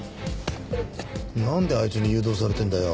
なんであいつに誘導されてるんだよ！